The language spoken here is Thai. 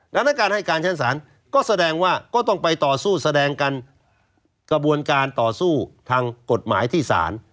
ดังนั้นการให้การชั้นศาลก็แสดงว่าก็ต้องไปต่อสู้แสดงกันกระบวนการต่อสู้ทางกฎหมายที่ศาล